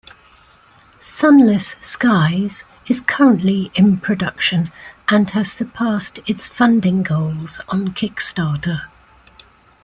"Sunless Skies" is currently in production and has surpassed its funding goals on Kickstarter.